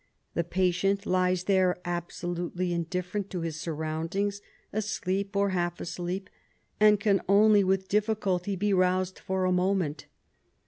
The patient lies there absolutely indifferent to his suri ound ings, asleep or half asleep, and can only with difficulty be roused for a moment.